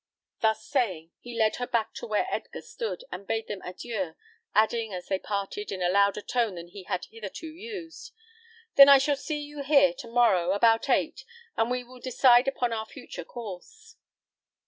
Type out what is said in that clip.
Thus saying, he led her back to where Edgar stood, and bade them adieu, adding, as they parted, in a louder tone than they had hitherto used, "Then I shall see you here to morrow, about eight, and we will decide upon our future course."